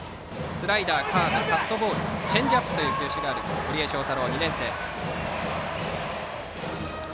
スライダー、カーブカットボールチェンジアップという球種がある堀江正太郎、２年生。